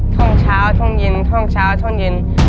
ช่วงเช้าช่วงเย็นช่องเช้าช่วงเย็น